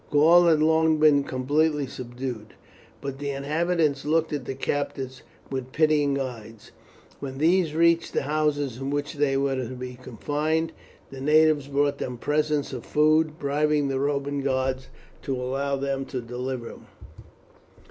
Gaul had long been completely subdued, but the inhabitants looked at the captives with pitying eyes. When these reached the house in which they were to be confined, the natives brought them presents of food, bribing the Roman guards to allow them to deliver them.